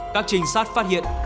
các trinh sát phát hiện